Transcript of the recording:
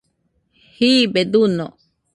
jibe duño